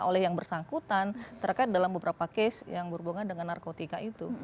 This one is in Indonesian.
oleh yang bersangkutan terkait dalam beberapa case yang berhubungan dengan narkotika itu